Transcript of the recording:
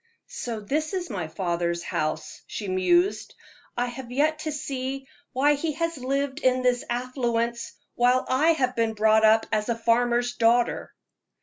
"So this is my father's house," she mused. "I have yet to see why he has lived in this affluence, while I have been brought up as a farmer's daughter?"